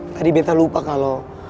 tadi betta lupa kalau